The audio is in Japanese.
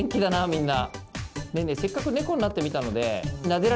みんな。